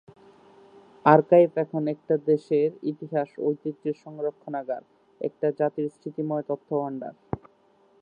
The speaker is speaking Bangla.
আর্কাইভ এখন একটা দেশের ইতিহাস ও ঐতিহ্যের সংরক্ষণাগার; একটা জাতির স্মৃতিময় তথ্যের ভান্ডার।